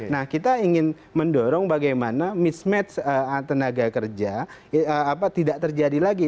nah kita ingin mendorong bagaimana mismatch tenaga kerja tidak terjadi lagi